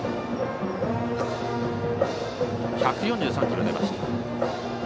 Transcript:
１４３キロが出ました。